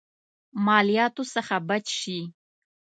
مالياتو څخه بچ شي.